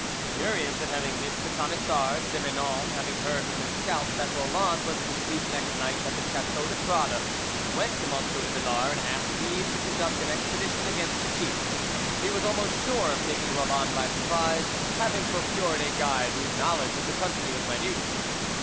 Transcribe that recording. Furious at having missed the Camisards, de Menon having heard from his scouts that Roland was to sleep next night at the chateau de Prade, went to M. de Villars and asked leave to conduct an expedition against the chief. He was almost sure of taking Roland by surprise, having procured a guide whose knowledge of the country was minute.